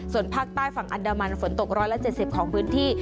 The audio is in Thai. ส่วนภาคใต้ฝั่งอันดามันฝนตก๑๗๐ของพื้นที่